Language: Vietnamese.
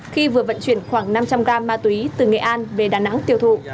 khi vừa vận chuyển khoảng năm trăm linh gram ma túy từ nghệ an về đà nẵng tiêu thụ